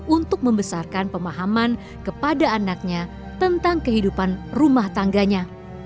untuk membesarkan pemahaman kepada anaknya tentang kehidupan rumah tangganya